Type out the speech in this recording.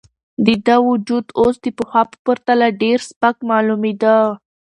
د ده وجود اوس د پخوا په پرتله ډېر سپک معلومېده.